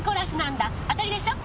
当たりでしょ？